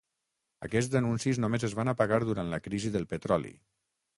Aquests anuncis només es van apagar durant la crisi del petroli.